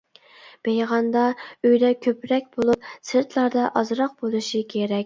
بېيىغاندا، ئۆيدە كۆپرەك بولۇپ، سىرتلاردا ئازراق بولۇشى كېرەك.